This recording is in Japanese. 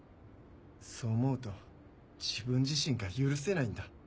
そう思うと自分自身が許せないんだ。